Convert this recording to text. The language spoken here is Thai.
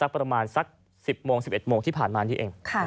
ประมาณ๑๐๑๑โมงที่ผ่านมานี่เอง